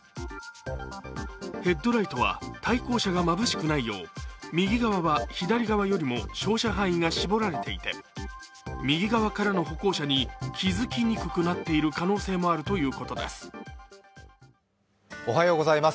ヘッドライトは対向車がまぶしくないよう右側は左側よりも照射範囲が絞られていて右側からの歩行者に気づきにくくなっている可能性もあるということです。